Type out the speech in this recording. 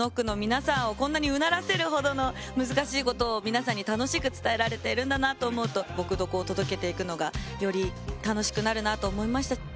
ＱｕｉｚＫｎｏｃｋの皆さんをこんなにうならせるほどの難しいことを皆さんに楽しく伝えられているんだなと思うと「ぼくドコ」を届けていくのがより楽しくなるなと思いました。